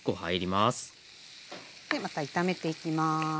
でまた炒めていきます。